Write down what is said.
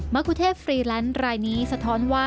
คุเทพฟรีแลนซ์รายนี้สะท้อนว่า